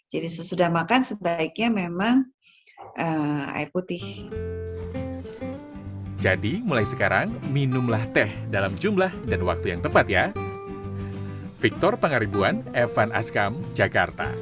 jadi sesudah makan sebaiknya memang air putih